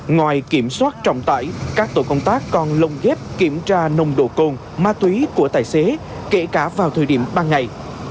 ngoài kiểm soát trọng tải các tổ công tác còn lồng ghép kiểm tra nồng độ cồn ma túy của tài xế kể cả vào thời điểm ban ngày